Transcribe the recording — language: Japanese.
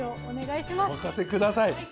お任せください。